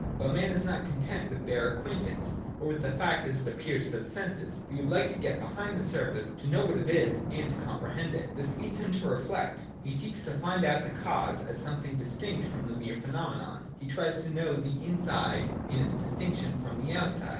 But man is not content with a bare acquaintance, or with the fact as it appears to the senses ; he would like to get behind the surface, to know what it is, and to comprehend 42 PRELIMINAR Y NO TION. [21 it. This leads him to reflect : he seeks to find out the cause as something distinct from the mere phenomenon : he tries to know the inside in its distinction from the outside.